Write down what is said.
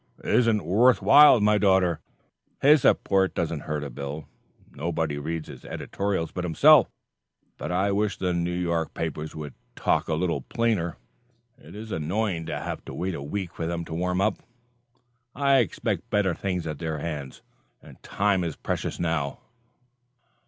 "It isn't worth while, my daughter. His support doesn't hurt a bill. Nobody reads his editorials but himself. But I wish the New York papers would talk a little plainer. It is annoying to have to wait a week for them to warm up. I expected better things at their hands and time is precious, now."